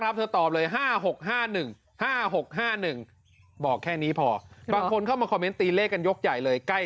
โปรดติดตามต่อไป